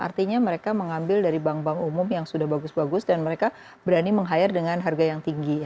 artinya mereka mengambil dari bank bank umum yang sudah bagus bagus dan mereka berani meng hire dengan harga yang tinggi